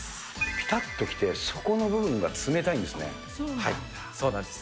ぴたっときて、そこの部分がそうなんです。